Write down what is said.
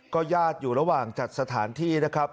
ญาติอยู่ระหว่างจัดสถานที่นะครับ